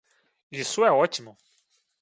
Isso é ótimo!